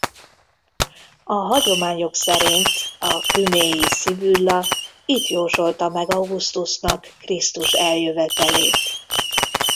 A hagyományok szerint a küméi szibülla itt jósolta meg Augustusnak Krisztus eljövetelét.